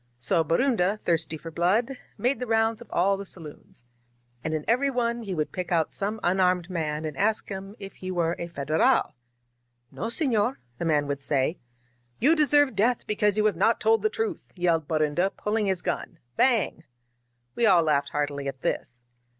So Borunda^ thirsty for blood, made the rounds of all the saloons. And in every one he would pick out some unarmed man and ask him if he were a Federal. *No, sefior,' the man would say. *You deserve death because you have not told the truth!' yelled Borunda, pulling his gun. Bang !" We all laughed heartily at this.